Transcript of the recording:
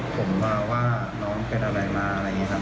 ผมมาว่าน้องเป็นอะไรมาอะไรอย่างนี้ครับ